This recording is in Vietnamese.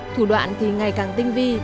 thủ đoạn thì ngày càng tinh vi